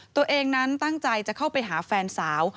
ตัวเองนั้นตั้งใจจะเข้าไปหาแฟนสาว